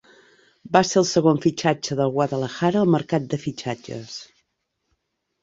Va ser el segon fitxatge del Guadalajara al mercat de fitxatges.